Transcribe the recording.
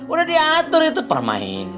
udah diatur itu permainan